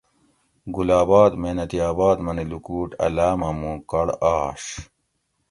گل آباد محنتی آباد منی لکوٹ اۤ لامہ موں کڑ آش